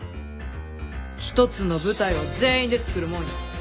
一つの舞台は全員で作るもんや。